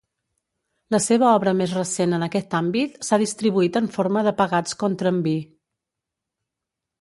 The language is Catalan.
La seva obra més recent en aquest àmbit s'ha distribuït en forma de pegats contra nvi.